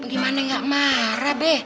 gimana gak marah be